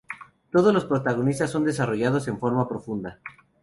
Todos los protagonistas son desarrollados en forma profunda.